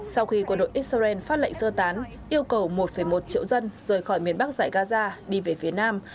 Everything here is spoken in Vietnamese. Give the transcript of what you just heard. sau khi quân đội israel phát lệnh sơ tán yêu cầu một một triệu dân rời khỏi miền bắc giải gaza đi về phía nam